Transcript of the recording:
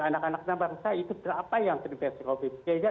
anak anak bangsa itu berapa yang terinfeksi covid